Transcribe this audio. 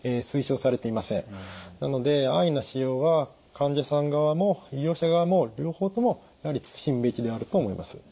なので安易な使用は患者さん側も医療者側も両方ともやはり慎むべきであると思います。